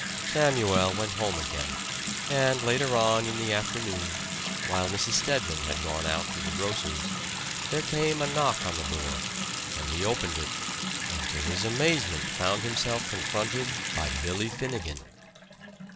Samuel went home again. And later on in the afternoon, while Mrs. Stedman had gone out to the grocer's, there came a knock on the door, and he opened it, and to his amazement found himself confronted by Billy Finnegan.